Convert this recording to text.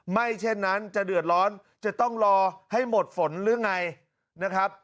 เช่นนั้นจะเดือดร้อนจะต้องรอให้หมดฝนหรือไงนะครับ